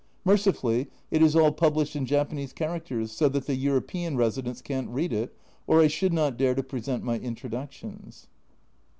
Mercifully, it is all published in Japanese characters, so that the European residents can't read it, or I should not dare to present my introductions.